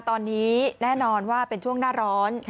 ตอนนี้แน่นอนว่าเป็นช่วงหน้าร้อน